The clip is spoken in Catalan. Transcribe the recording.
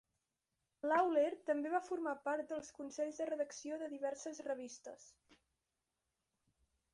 Lawler també va formar part dels consells de redacció de diverses revistes.